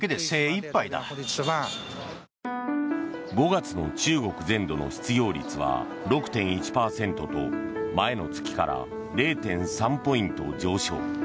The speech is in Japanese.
５月の中国全土の失業率は６．１％と前の月から０．３ポイント上昇。